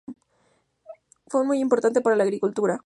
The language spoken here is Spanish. Fue muy importante para la agricultura.